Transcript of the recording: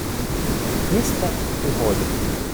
— Лізьте, й годі!